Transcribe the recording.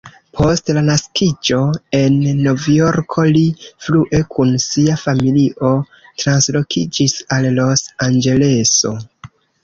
Post la naskiĝo en Novjorko, li frue kun sia familio translokiĝis al Los-Anĝeleso.